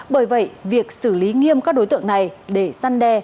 bởi vậy việc xử lý nghiêm các đối tượng này để săn đe